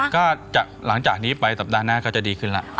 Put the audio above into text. ก็หลังจากนี้ไปสัปดาห์หน้าก็จะดีขึ้นแล้ว